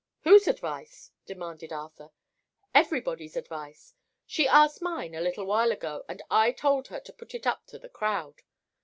"Whose advice?" demanded Arthur. "Everybody's advice. She asked mine, a little while ago, and I told her to put it up to the crowd.